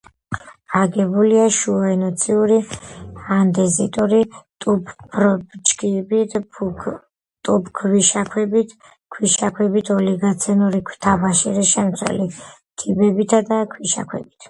აგებულია შუაეოცენური ანდეზიტური ტუფბრექჩიებით, ტუფ-ქვიშაქვებით, ქვიშაქვებით, ოლიგოცენური თაბაშირის შემცველი თიხებითა და ქვიშაქვებით.